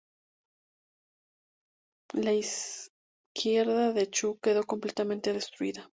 La izquierda de Chu quedó completamente destruida.